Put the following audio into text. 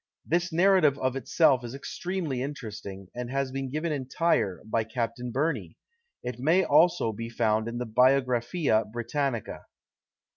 This narrative of itself is extremely interesting, and has been given entire by Captain Burney; it may also be found in the Biographia Britannica.